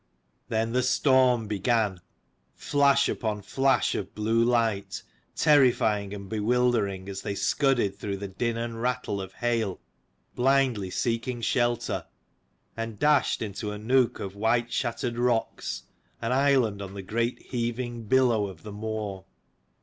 Then the storm began, flash upon flash of blue light, terrifying and bewildering, as they scudded through the din and rattle of hail, blindly seeking shelter : and dashed into a nook of white shattered rocks, an island on the great heaving billow of moor.